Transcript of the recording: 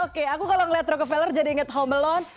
oke aku kalau ngelihat loco fairer jadi inget home alone